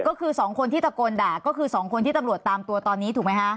ก็คือ๒คนที่ตะโกนด่าก็คือ๒คนที่ตำรวจตามตัวตอนนี้ถูกไหมคะ